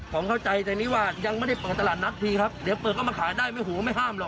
ผมเข้าใจตรงนี้ว่ายังไม่ได้เปิดตลาดนัดทีครับเดี๋ยวเปิดเข้ามาขายได้ไม่หูก็ไม่ห้ามหรอก